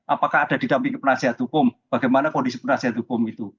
apakah ada didampingi penasihat hukum bagaimana kondisi penasihat hukum itu